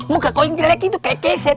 muka kau yang jerat itu kayak ceset